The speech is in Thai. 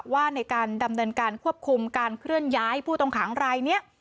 ว่าในการดำเนินการควบคุมการเคลื่อนย้ายผู้ต้องขังรายนี้